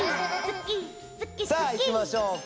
さあいきましょうか。